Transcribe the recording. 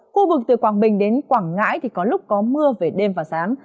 khu vực từ quảng bình đến quảng ngãi thì có lúc có mưa về đêm và sáng